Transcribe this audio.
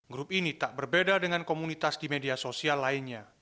grup ini tak berbeda dengan komunitas di media sosial lainnya